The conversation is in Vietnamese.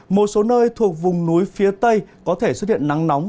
một số nơi thuộc vùng núi phía tây có thể xuất hiện nắng nóng